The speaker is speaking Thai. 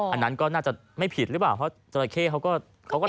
อันนั้นก็น่าจะไม่ผิดหรือเปล่าเพราะจราเข้เขาก็เขาก็